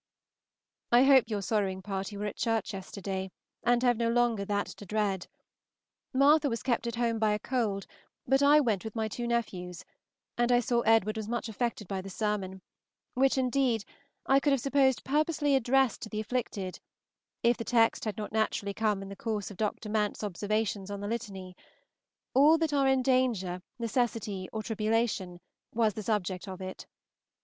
I hope your sorrowing party were at church yesterday, and have no longer that to dread. Martha was kept at home by a cold, but I went with my two nephews, and I saw Edward was much affected by the sermon, which, indeed, I could have supposed purposely addressed to the afflicted, if the text had not naturally come in the course of Dr. Mant's observations on the Litany: 'All that are in danger, necessity, or tribulation,' was the subject of it.